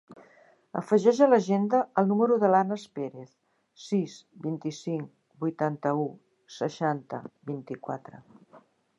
Afegeix a l'agenda el número de l'Anas Perez: sis, vint-i-cinc, vuitanta-u, seixanta, vint-i-quatre.